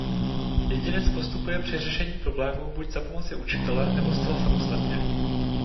Jedinec postupuje při řešení problémů buď za pomoci učitele nebo zcela samostatně.